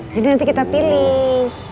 jadi nanti kita pilih